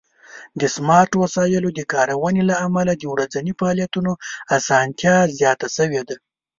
د سمارټ وسایلو د کارونې له امله د ورځني فعالیتونو آسانتیا زیاته شوې ده.